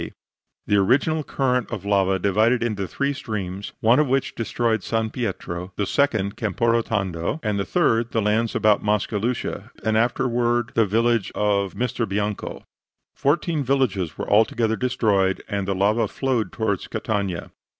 D. The original current of lava divided into three streams, one of which destroyed San Pietro, the second Camporotondo, and the third the lands about Mascalucia and afterward the village of Misterbianco. Fourteen villages were altogether destroyed, and the lava flowed toward Catania.